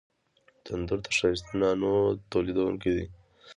تنور د ښایسته نانو تولیدوونکی دی